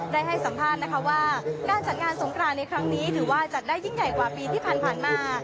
ได้ให้สัมภาษณ์นะคะว่าการจัดงานสงครานในครั้งนี้ถือว่าจัดได้ยิ่งใหญ่กว่าปีที่ผ่านมา